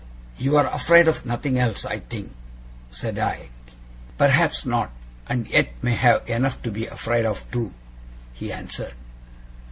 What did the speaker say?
'You are afraid of nothing else, I think,' said I. 'Perhaps not, and yet may have enough to be afraid of too,' he answered.